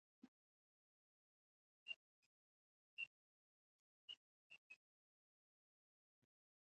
مقابل لوری ځپونکی او بې رحمه دی.